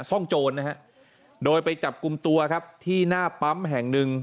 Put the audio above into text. ซ่องโจรนะฮะโดยไปจับกลุ่มตัวครับที่หน้าปั๊มแห่งหนึ่ง